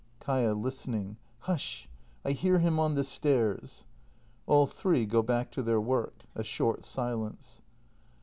Kaia. [Listening.] Hush! I hear him on the stairs. [All three go back to their work. A short silence.